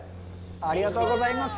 ありがとうございます。